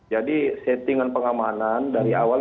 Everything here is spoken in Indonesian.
jadi settingan pengamanan dari awal